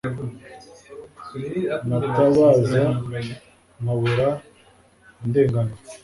natabaza, nkabura undenganura